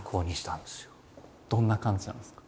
どんな感じなんですか？